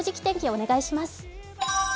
お願いします。